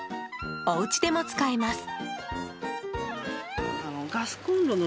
おうちでも使えます。